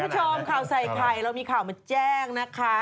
ท่านผู้ชมข่าวใส่ไข่เรามีข่าวมาแจ้งนะคะ